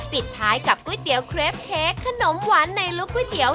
ปิดท้ายกับก๋วยเตี๋ยวเครปเค้กขนมหวานในลุคก๋วยเตี๋ยว